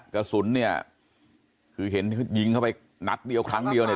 กระสุนเนี่ยคือเห็นยิงเข้าไปนัดเดียวครั้งเดียวเนี่ย